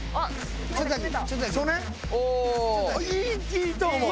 いいと思う！